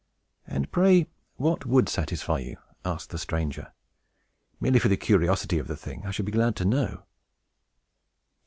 "And pray what would satisfy you?" asked the stranger. "Merely for the curiosity of the thing, I should be glad to know."